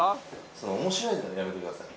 その面白いのやめてください